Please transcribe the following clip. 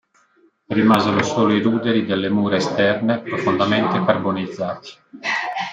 Rimasero solo i ruderi delle mura esterne profondamente carbonizzati.